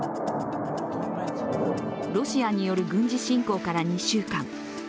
ロシアによる軍事侵攻から２週間。